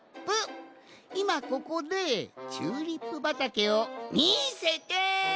いまここでチューリップばたけをみせて！